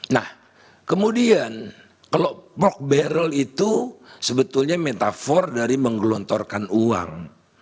nah kemudian kalau mockberry itu sebetulnya metafor dari menggelontorkan uang